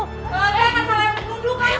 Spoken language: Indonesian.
eh kan salah yang duduk kan tuh